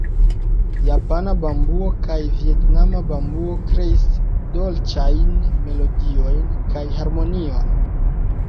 Japana bambuo kaj vjetnama bambuo kreis dolĉajn melodiojn kaj harmonion.